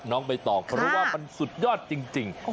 น้องไปต่อเขารู้ว่ามันสุดยอดจริง